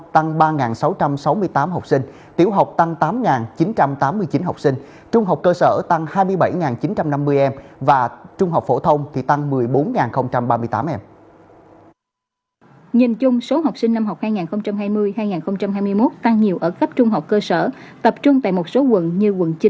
tăng nhiều ở các trung học cơ sở tập trung tại một số quận như quận chín